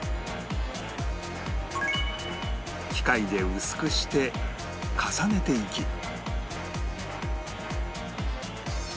機械で薄くして重ねていき